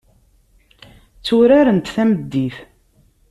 Tturarent tameddit.